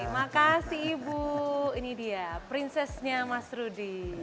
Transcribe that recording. terima kasih ibu ini dia prinsesnya mas rudi